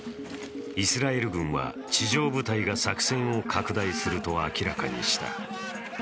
イスラエル軍は地上部隊が作戦を拡大すると明らかにした。